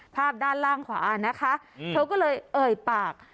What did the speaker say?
ภาพด้านล่างขวานะคะเธอก็เลยเอ่ยปาก